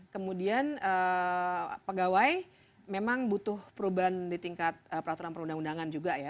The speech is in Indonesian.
kemudian pegawai memang butuh perubahan di tingkat peraturan perundang undangan juga ya